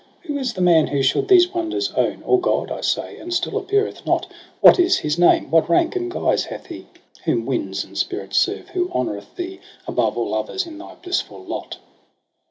Who is the man who should these wonders own. Or god, I say, and stiU appeareth not ? What is his name ? What rank and guise hath he, Whom winds and spirits serve, who honoureth thee Above aU others in thy blissful lot